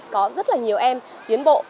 có rất là nhiều em tiến bộ